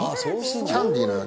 キャンディーのように。